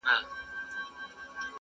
د سیالانو په ټولۍ کي یې تول سپک سي.!